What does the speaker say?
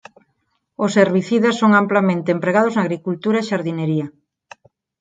Os herbicidas son amplamente empregados na agricultura e xardinería.